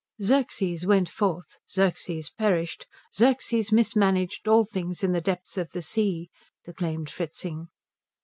"'Xerxes went forth, Xerxes perished, Xerxes mismanaged all things in the depths of the sea '" declaimed Fritzing.